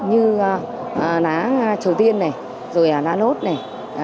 như ná châu tiên này rồi là ná nốt này